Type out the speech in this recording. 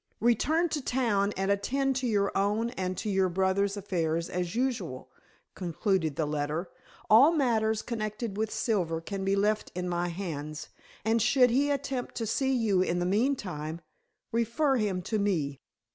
"Return to town and attend to your own and to your brother's affairs as usual," concluded the letter. "All matters connected with Silver can be left in my hands, and should he attempt to see you in the meantime, refer him to me."